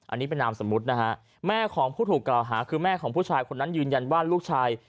อันนี้เป็นนามสมมุตินะฮะแม่ของผู้ถูกกล่าวหาคือแม่ของผู้ชายคนนั้นยืนยันว่าลูกชาย